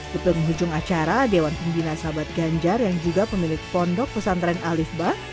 di penghujung acara dewan pembina sahabat ganjar yang juga pemilik pondok pesantren alif bah